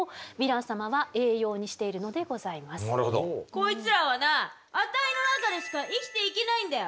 こいつらはなあたいの中でしか生きていけないんだよ。